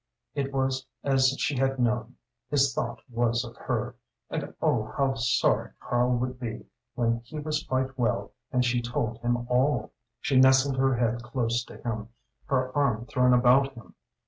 It was as she had known! His thought was of her. And oh how sorry Karl would be when he was quite well and she told him all! She nestled her head close to him, her arm thrown about him.